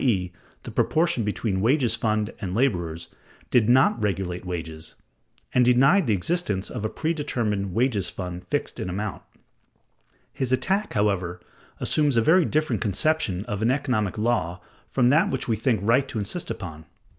e., the proportion between wages fund and laborers) did not regulate wages, and denied the existence of a predetermined wages fund fixed in amount. His attack, however, assumes a very different conception of an economic law from that which we think right to insist upon.